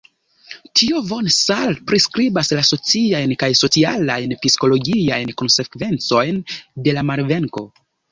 Tie von Saar priskribas la sociajn kaj socialajn-psikologiajn konsekvencojn de la malvenko.